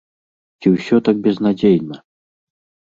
Ці ўсё так безнадзейна?